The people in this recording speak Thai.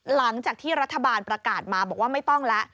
หลังจากที่รัฐบาลประกาศมาบอกว่าไม่ต้องแล้ว